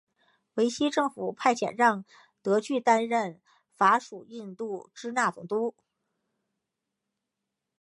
维希政府派遣让德句担任法属印度支那总督。